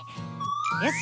よし！